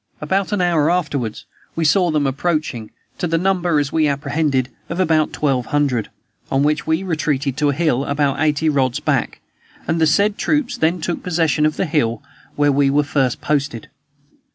About an hour afterward, we saw them approaching, to the number, as we apprehended, of about twelve hundred, on which we retreated to a hill about eighty rods back, and the said troops then took possession of the hill where we were first posted.